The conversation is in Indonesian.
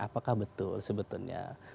apakah betul sebetulnya